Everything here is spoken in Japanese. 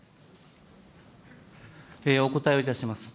お答えをいたします。